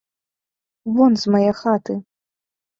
Вон з мае хаты!